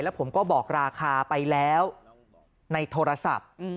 ผมก็บอกราคาไปแล้วในโทรศัพท์